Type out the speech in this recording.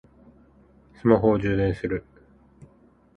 スマホを充電する